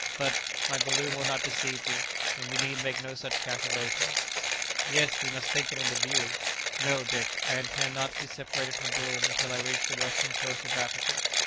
But, my balloon will not deceive me, and we need make no such calculations." "Yes, but you must take them into view." "No, Dick. I intend not to be separated from the balloon until I reach the western coast of Africa.